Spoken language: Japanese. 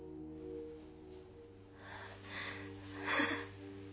ハハ。